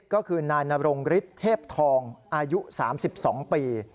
ก็คือนายนรงฤทธิ์เทพทองอายุ๓๒ปี